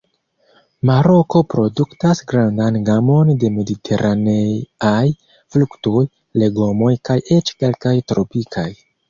Maroko produktas grandan gamon de mediteraneaj fruktoj, legomoj kaj eĉ kelkaj tropikaj.